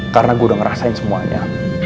karena gue udah ngerasain semuanya